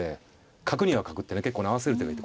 角には角ってね結構合わせる手がいい。